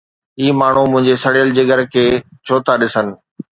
هي ماڻهو منهنجي سڙيل جگر کي ڇو ٿا ڏسن؟